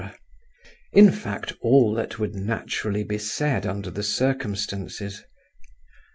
in fact, all that would naturally be said under the circumstances.